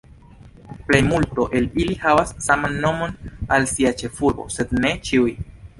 Plejmulto el ili havas saman nomon al sia ĉefurbo, sed ne ĉiuj.